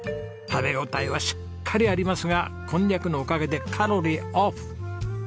食べ応えはしっかりありますがこんにゃくのおかげでカロリーオフ！